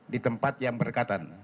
di tempat yang berkatan